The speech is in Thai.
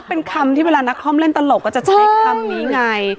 เป็นคำที่เวลานักคอมเล่นตลกก็จะใช้คำนี้ไง